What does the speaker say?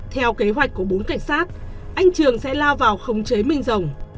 theo kế hoạch của bốn cảnh sát anh trường sẽ lao vào khống chế minh rồng